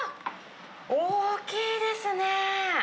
大きいですね！